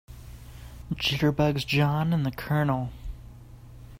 Jitterbugs JOHN and the COLONEL.